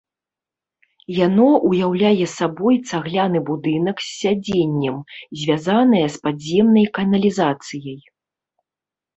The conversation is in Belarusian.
Яно уяўляе сабой цагляны будынак з сядзеннем, звязанае з падземнай каналізацыяй.